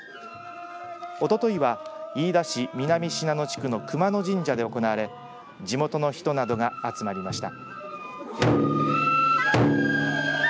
おとといは飯田市南信濃地区の熊野神社で行われ地元の人などが集まりました。